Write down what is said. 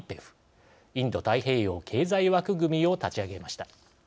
ＩＰＥＦ＝インド太平洋経済枠組みを立ち上げました。